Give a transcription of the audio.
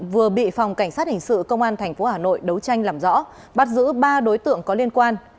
vừa bị phòng cảnh sát hình sự công an tp hà nội đấu tranh làm rõ bắt giữ ba đối tượng có liên quan